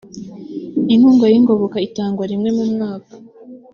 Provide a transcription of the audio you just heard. inkunga y ‘ingoboka itangwa rimwe mumwaka.